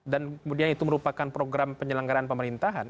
dan kemudian itu merupakan program penyelenggaraan pemerintahan